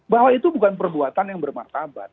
bahwa itu bukan perbuatan yang bermartabat